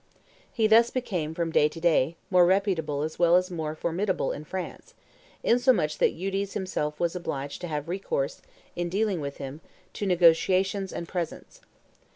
He thus became, from day to day, more reputable as well as more formidable in France, insomuch that Eudes himself was obliged to have recourse, in dealing with him, to negotiations and presents.